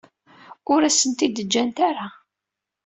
Ur asen-ten-id-ǧǧant ara.